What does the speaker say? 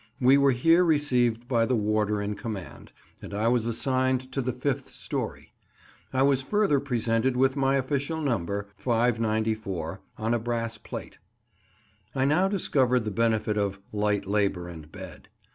We were here received by the warder in command, and I was assigned to the fifth storey. I was further presented with my official number—594, on a brass plate. I now discovered the benefit of "light labour and bed."